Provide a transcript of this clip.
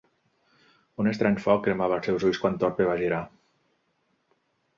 Un estrany foc cremava als seus ulls quan Thorpe va girar.